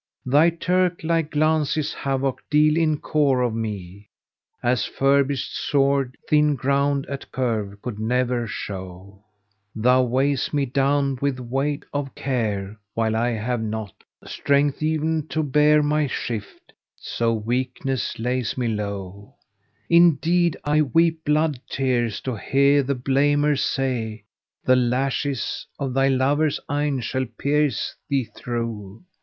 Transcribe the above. Thy Turk like[FN#491] glances havoc deal in core of me, * As furbished sword thin ground at curve could never show: Thou weigh's" me down with weight of care, while I have not * Strength e'en to bear my shift, so weakness lays me low: Indeed I weep blood tears to hear the blamer say; * 'The lashes of thy lover's eyne shall pierce thee through!'